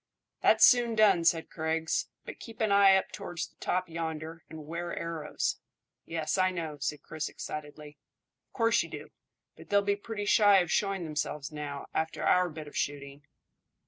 "That's soon done," said Griggs; "but keep an eye up towards the top yonder, and 'ware arrows." "Yes, I know," said Chris excitedly. "Of course you do; but they'll be pretty shy of showing themselves now, after our bit of shooting."